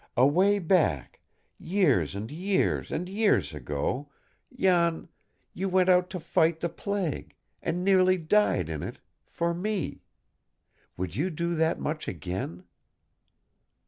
"Away back years and years and years ago, Jan you went out to fight the plague, and nearly died in it, for me. Would you do that much again?"